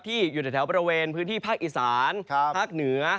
ที่อยู่ในแถวบริเวณพื้นที่ภาคอีสานภาคเหนือ